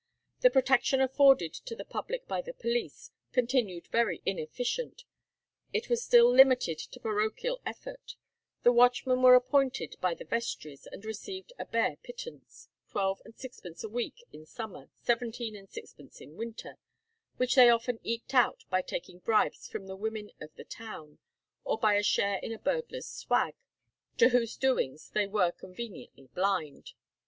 The protection afforded to the public by the police continued very inefficient. It was still limited to parochial effort; the watchmen were appointed by the vestries, and received a bare pittance, twelve and sixpence a week in summer, seventeen and sixpence in winter, which they often eked out by taking bribes from the women of the town, or by a share in a burglar's "swag," to whose doings they were conveniently blind.